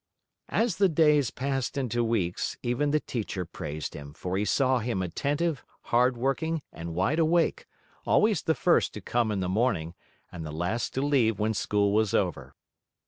As the days passed into weeks, even the teacher praised him, for he saw him attentive, hard working, and wide awake, always the first to come in the morning, and the last to leave when school was over.